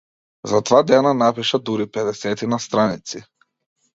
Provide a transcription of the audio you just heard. За два дена напиша дури педесетина страници.